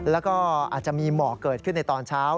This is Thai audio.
แล้วก็อาจจะมีหมอกเกิดขึ้นในตอนเช้า